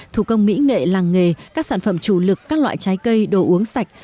thủ công mỹ nghệ làng nghề các sản phẩm chủ lực các loại trái cây đồ uống sạch